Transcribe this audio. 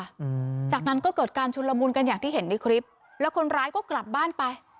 อืมจากนั้นก็เกิดการชุนละมุนกันอย่างที่เห็นในคลิปแล้วคนร้ายก็กลับบ้านไป